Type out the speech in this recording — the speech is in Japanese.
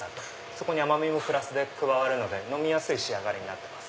そこに甘みもプラスで加わるので飲みやすい仕上がりになってます。